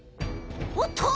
おっと！